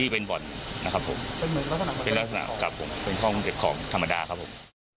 เป็นลักษณะครับผมเป็นห้องเจ็บของธรรมดาครับผม